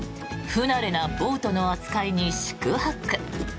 不慣れなボートの扱いに四苦八苦。